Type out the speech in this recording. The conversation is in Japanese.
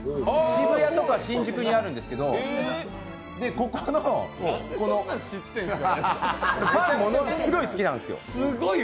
渋谷とか新宿にあるんですけど、パンがものすごい好きなんですよ。